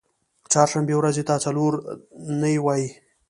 چهارشنبې ورځی ته څلور نۍ وایی